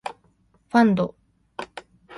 ファンド